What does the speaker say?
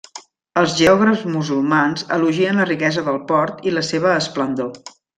Els geògrafs musulmans elogien la riquesa del port i la seva esplendor.